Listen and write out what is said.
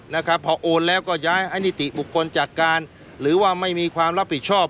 นะครับพอโอนแล้วก็ย้ายให้นิติบุคคลจัดการหรือว่าไม่มีความรับผิดชอบ